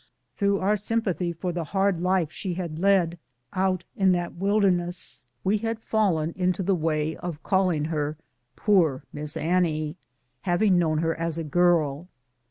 Through our sympathy for the hard life she led out in that wilderness we had fallen into the way of calling her " poor Miss Annie," having known her as a girl.